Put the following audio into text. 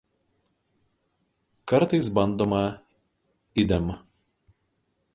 Kartais bandoma ide.